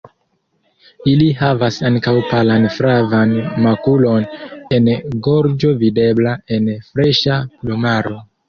Ili havas ankaŭ palan flavan makulon en gorĝo videbla en freŝa plumaro.